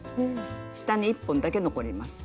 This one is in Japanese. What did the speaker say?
下に１本だけ残ります。